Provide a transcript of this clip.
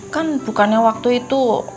kan bukannya waktu itu